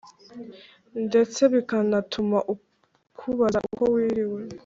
ndetse bikanatuma ukubaza uko wiriwe